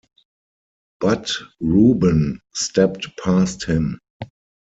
But Ruben stepped past him.